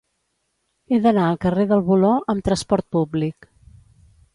He d'anar al carrer del Voló amb trasport públic.